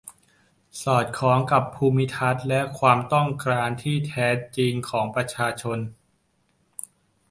สอดคล้องกับภูมิทัศน์ และความต้องการที่แท้จริงของประชาชน